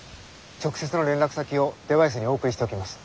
直接の連絡先をデバイスにお送りしておきます。